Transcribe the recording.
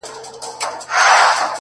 زه يې د نوم تر يوه ټكي صدقه نه سومه’